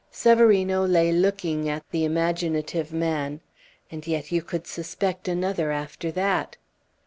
Severino lay looking at the imaginative man. "And yet you could suspect another after that!"